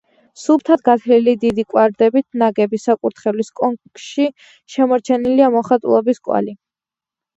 სუფთად გათლილი დიდი კვადრებით ნაგები, საკურთხევლის კონქში შემორჩენილია მოხატულობის კვალი.